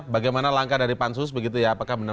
bagaimana langkah dari pansus begitu ya apakah benar